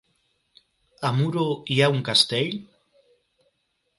A Muro hi ha un castell?